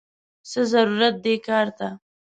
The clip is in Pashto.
څه ضرورت دې کار ته!!